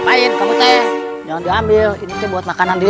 main kamu teh yang diambil ini buat makanan di